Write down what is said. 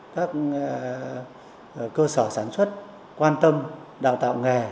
các cơ sở sản xuất quan tâm đào tạo nghề